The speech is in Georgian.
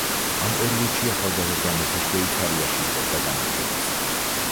ამ პერიოდში ახალგაზრდა მეფე შვეიცარიაში იღებდა განათლებას.